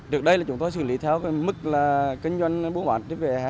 trước đây là chúng tôi xử lý theo mức là kinh doanh bố mạng